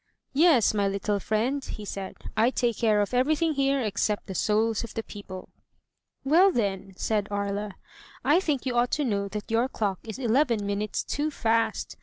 "Yes, my little friend," he said, "I take care of everything here except the souls of the people." "Well, then," said Aria, " I think you ought to know that your clock is eleven minutes too fast.